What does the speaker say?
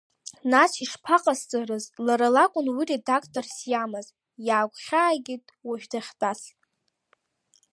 Нас ишԥаҟасҵарыз, лара лакәын уи редакторс иамаз, иаагәхьааигеит уажә дахьтәаз.